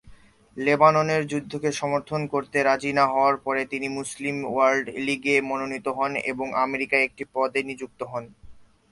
লেবাননের যুদ্ধকে সমর্থন করতে রাজি না হওয়ার পরে, তিনি মুসলিম ওয়ার্ল্ড লিগে মনোনীত হন এবং আমেরিকায় একটি পদে নিযুক্ত হন।